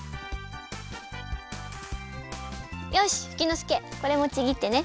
よしフキノスケこれもちぎってね。